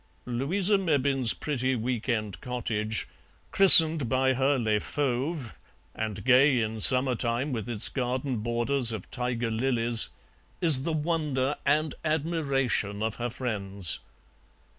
Louisa Mebbin's pretty week end cottage, christened by her "Les Fauves," and gay in summertime with its garden borders of tiger lilies, is the wonder and admiration of her friends.